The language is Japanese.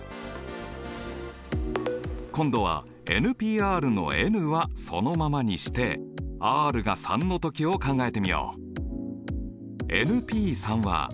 今度はＰのｎはそのままにしてｒが３の時を考えてみよう。